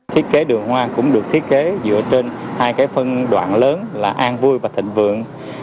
thiết kế đường hoa cũng được thiết kế dựa trên hai phân đoạn lớn là an vui và thịnh vượng